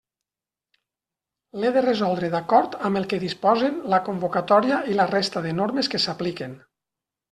L'he de resoldre d'acord amb el que disposen la convocatòria i la resta de normes que s'apliquen.